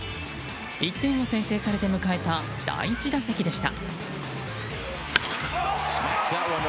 １点を先制されて迎えた第１打席でした。